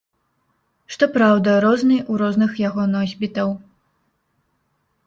Што праўда, розны ў розных яго носьбітаў.